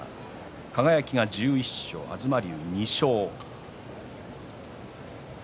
輝が１１勝、東龍２勝です。